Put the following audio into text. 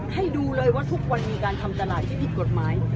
ให้ดูเลยว่าทุกวันมีการทำตลาดที่ผิดกฎหมาย